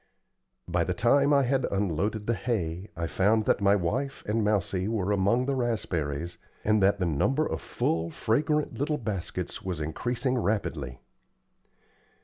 By the time I had unloaded the hay, I found that my wife and Mousie were among the raspberries, and that the number of full, fragrant little baskets was increasing rapidly.